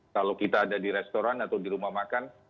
kalau kita ada di restoran atau di rumah makan